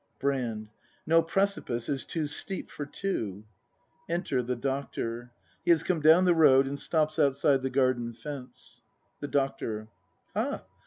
Brand. No precipice is too steep for two. E7iter the Doctor; he has come down the road, and stops outside the garden fence. The Doctor. Ha!